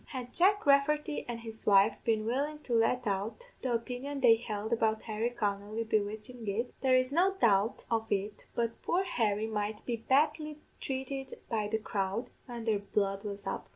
Had Jack Rafferty an' his wife been willin' to let out the opinion they held about Harry Connolly bewitchin' it, there is no doubt of it but poor Harry might be badly trated by the crowd, when their blood was up.